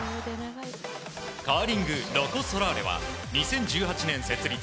カーリング、ロコ・ソラーレは２０１８年設立